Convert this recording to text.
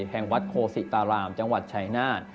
แห่งวัดโคศิตารามจังหวัดชายนาฏ